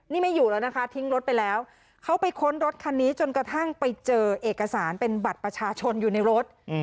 นี่ไม่อยู่แล้วนะคะทิ้งรถไปแล้วเขาไปค้นรถคันนี้จนกระทั่งไปเจอเอกสารเป็นบัตรประชาชนอยู่ในรถ